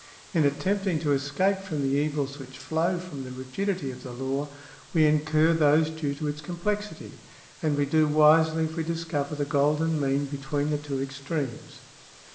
In attempting to escape from the evils which flow from the rigidity of the law, we incur those due to its complexity, and we do wisely if we discover the golden mean between the two extremes.